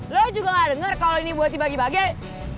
lu juga gak dengar kalo gini buat dibagi bagian